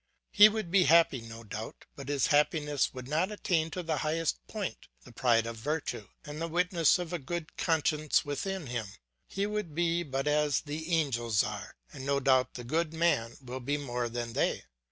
He would be happy, no doubt, but his happiness would not attain to the highest point, the pride of virtue, and the witness of a good conscience within him; he would be but as the angels are, and no doubt the good man will be more than they.